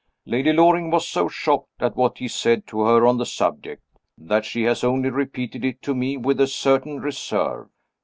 Lady Loring was so shocked at what he said to her on the subject, that she has only repeated it to me with a certain reserve.